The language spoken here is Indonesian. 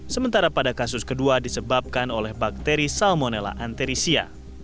sementara pada kasus kedua disebabkan oleh bakteri salmonella anterisia